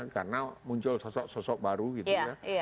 karena muncul sosok sosok baru gitu ya